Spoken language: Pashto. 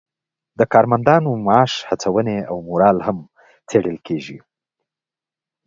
د کارمندانو معاش، هڅونې او مورال هم څیړل کیږي.